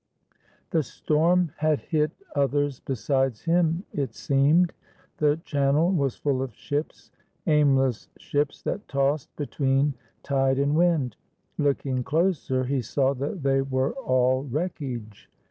The storm had hit others besides him, it seemed. The channel was full of ships, aimless ships that tossed be tween tide and wind. Looking closer, he saw that they were all wreckage.